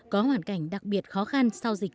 có hoàn cảnh đặc biệt khó khăn sau dịch